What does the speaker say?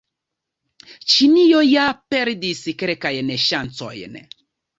Ĉinio ja perdis kelkajn ŝancojn.